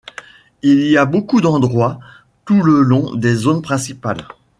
Il y a beaucoup d'endroits tout le long des zones principales.